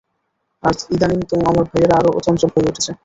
আর ইদানীং আমার ভাইয়েরা আরও চঞ্চল হয়ে উঠছে।